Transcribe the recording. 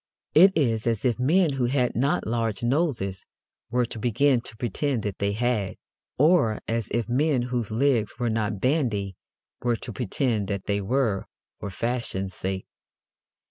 It is as if men who had not large noses were to begin to pretend that they had, or as if men whose legs were not bandy were to pretend that they were, for fashion's sake.